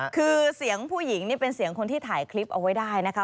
คือเสียงผู้หญิงนี่เป็นเสียงคนที่ถ่ายคลิปเอาไว้ได้นะคะ